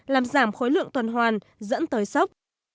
làm giảm khối lượng toàn hoàn dẫn tới sốc